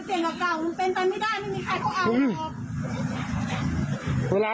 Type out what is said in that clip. เอาใหม่ไปเปลี่ยนกับเก่าเปลี่ยนตามไม่ได้ไม่มีใครเขาเอาหรอก